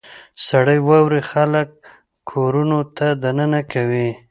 • سړې واورې خلک کورونو ته دننه کوي.